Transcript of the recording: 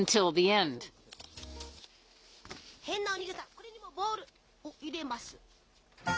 これにもボール、入れます。